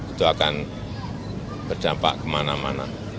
itu akan berdampak kemana mana